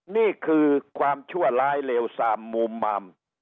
นี่คือความชั่วร้ายเลวซามมุมมาม